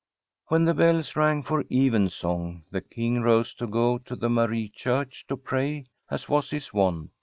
When the bells rang for Evensong, the King rose to go to the Marie Church to pray, as was his wont.